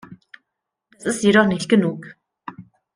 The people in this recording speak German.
Das ist jedoch nicht genug.